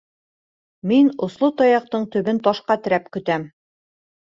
— Мин осло таяҡтың төбөн ташҡа терәп көтәм.